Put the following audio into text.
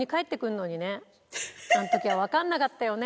あの時はわかんなかったよね